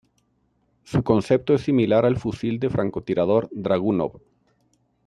Su concepto es similar al fusil de francotirador Dragunov.